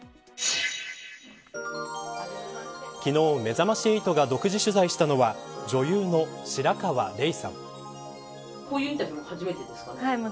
昨日めざまし８が独自取材したのは女優の白河れいさん。